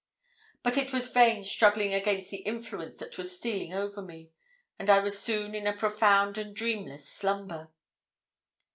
But it was vain struggling against the influence that was stealing over me, and I was soon in a profound and dreamless slumber.